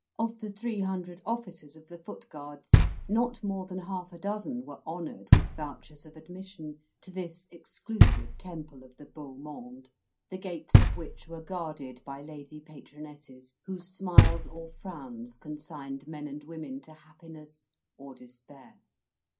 Of the three hundred officers of the Foot Guards, not more than half a dozen were honoured with vouchers of admission to this exclusive temple of the beau monde; the gates of which were guarded by lady patronesses, whose smiles or frowns consigned men and women to happiness or despair.